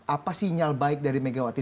apa sinyal baik dari megawati